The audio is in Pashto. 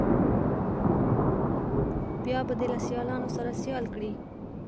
بیا به دې له سیالانو سره سیال کړي.